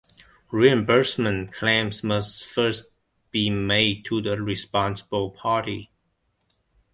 Reimbursement claims must first be made to the responsible party.